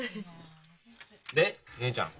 で姉ちゃん